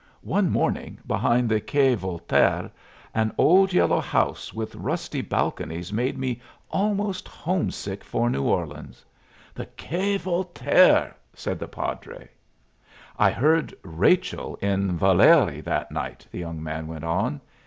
One morning, behind the Quai Voltaire, an old yellow house with rusty balconies made me almost homesick for New Orleans." "The Quai Voltaire!" said the padre. "I heard Rachel in 'Valerie' that night," the young man went on.